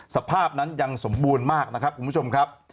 สภาพนั้นยังสมบูรณ์มากนะครับคุณผู้ชมครับ